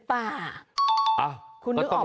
พี่พินโย